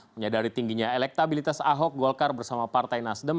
menyadari tingginya elektabilitas ahok golkar bersama partai nasdem